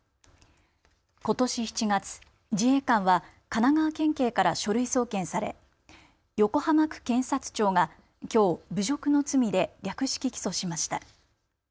ことし７月、自衛官は神奈川県警から書類送検され横浜区検察庁がきょう侮辱の罪で略式起訴しました。